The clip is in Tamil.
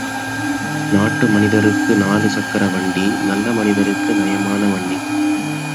நாட்டு மனிதருக்கு நாலு சக்கர வண்டி! நல்ல மனிதருக்கு நயமான வண்டி!.